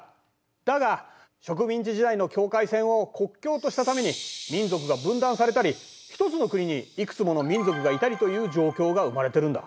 だが植民地時代の境界線を国境としたために民族が分断されたり一つの国にいくつもの民族がいたりという状況が生まれてるんだ。